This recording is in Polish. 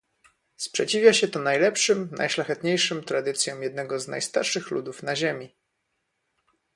Sprzeciwia się to najlepszym, najszlachetniejszym tradycjom jednego z najstarszych ludów na ziemi